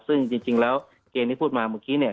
ซึ่งจริงแล้วเกณฑ์ที่พูดมาเมื่อกี้เนี่ย